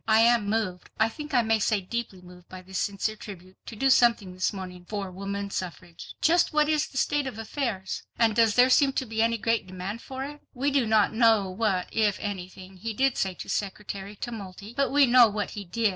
I am moved, I think I may say deeply moved by this sincere tribute, to do something this morning for woman suffrage. Just what is the state of affairs? And does there seem to be any great demand for it?" We do not know what, if anything, he did say to Secretary Tumulty, but we know what he did.